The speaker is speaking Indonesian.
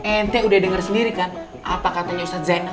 ente udah dengar sendiri kan apa katanya ustadz zainal